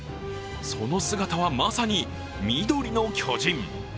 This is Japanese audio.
その姿はまさに緑の巨人。